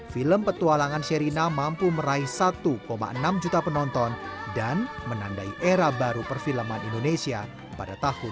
film petualangan sherina mampu meraih satu enam juta penonton dan menandai era baru perfilman indonesia pada tahun dua ribu dua